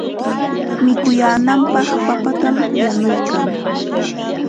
Mikuyaananpaq papatam yanuykan.